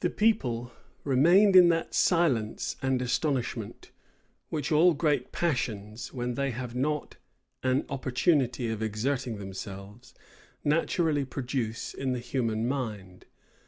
The people remained in that silence and astonishment, which all great passions, when they have not an opportunity of exerting themselves, naturally produce in the human mind.